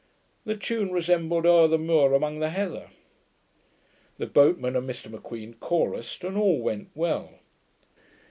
The tune resembled 'Owr the muir amang the heather', the boatmen and Mr M'Queen chorused, and all went well.